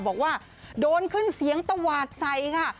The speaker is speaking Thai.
บอกว่าโดนขึ้นเสียงตวาดใส่ค่ะ